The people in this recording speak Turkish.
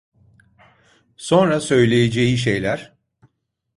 Sonra söyleyeceği şeyler…